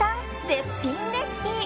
絶品レシピ。